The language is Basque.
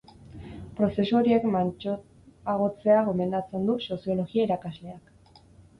Prozesu horiek mantsoagotzea gomendatzen du soziologia irakasleak.